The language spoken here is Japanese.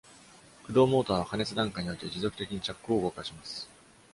駆動モーターは、加熱段階において持続的にチャックを動かします。